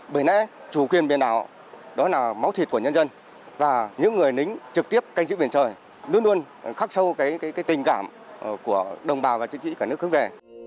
bởi lẽ chủ quyền biển đảo đó là máu thịt của nhân dân và những người lính trực tiếp canh giữ biển trời luôn luôn khắc sâu tình cảm của đồng bào và chiến sĩ cả nước hướng về